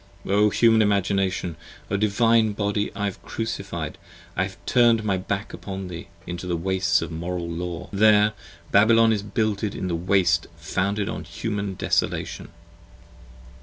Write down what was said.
Human Imagination, O Divine Body I have Crucified, 1 have turned my back upon thee into the Wastes of Moral Law: 25 There Babylon is builded in the Waste, founded in Human desolation.